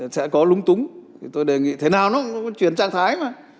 sẽ có lúng túng tôi đề nghị thế nào nó cũng chuyển trạng thái mà